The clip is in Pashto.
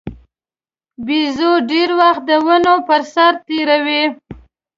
بیزو ډېر وخت د ونو پر سر تېروي.